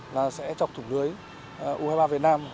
là sẽ chọc thủng lưới u hai mươi ba việt nam